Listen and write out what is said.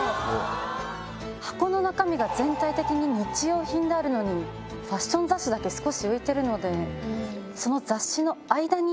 箱の中身が全体的に日用品であるのにファッション雑誌だけ少し浮いてるので。